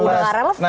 udah gak relevan dong